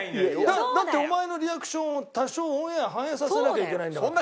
だってお前のリアクションを多少オンエア反映させなきゃいけないんだから。